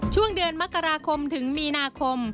ช่วงเดือนมกราคมถึงมีนาคม